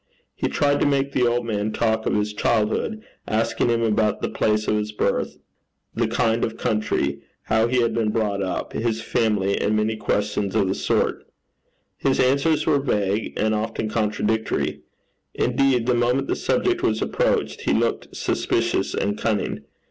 He tried to make the old man talk of his childhood, asking him about the place of his birth, the kind of country, how he had been brought up, his family, and many questions of the sort. His answers were vague, and often contradictory. Indeed, the moment the subject was approached, he looked suspicious and cunning.